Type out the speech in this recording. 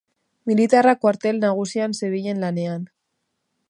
Militarra kuartel nagusian zebilen lanean.